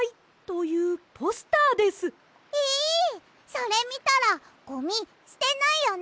それみたらゴミすてないよね！